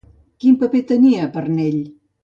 Quin paper tenia Parnell?